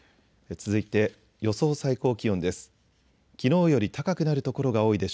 続いて予想最高気温です。